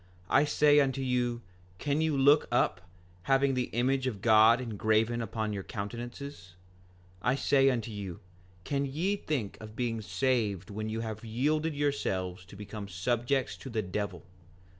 I say unto you, can you look up, having the image of God engraven upon your countenances? 5:20 I say unto you, can ye think of being saved when you have yielded yourselves to become subjects to the devil?